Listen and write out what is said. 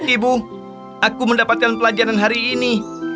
ibu aku mendapatkan pelajaran hari ini